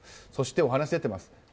そしてお話出てます